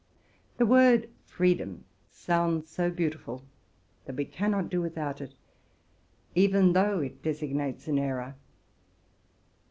The word freedom sounds so beautiful, that we cannot do without it, even though it should designate an error.